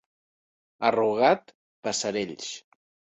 A Rugat, passerells.